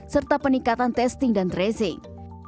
serta peningkatan testing dan tracing